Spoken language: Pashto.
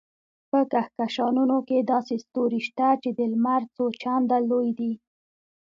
په کهکشانونو کې داسې ستوري شته چې د لمر څو چنده لوی دي.